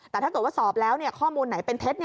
แต่ถ้าเกิดว่าสอบแล้วข้อมูลไหนเป็นเท็จ